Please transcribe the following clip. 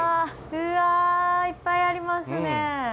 うわいっぱいありますね。